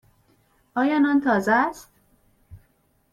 آیا نان تازه است؟